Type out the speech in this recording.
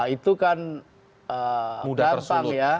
itu kan gampang ya